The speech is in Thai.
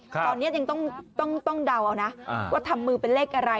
ตอนนี้ยังต้องเดาเอานะว่าทำมือเป็นเลขอะไร